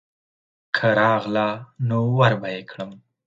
که راغله نو وربه یې کړم.